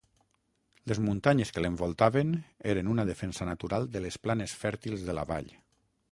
Les muntanyes que l'envoltaven eren una defensa natural de les planes fèrtils de la vall.